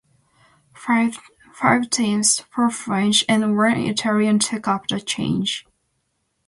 Five teams; four French, and one Italian took up the challenge.